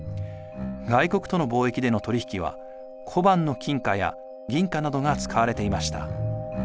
外国との貿易での取り引きは小判の金貨や銀貨などが使われていました。